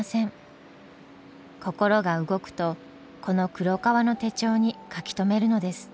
心が動くとこの黒革の手帳に書き留めるのです。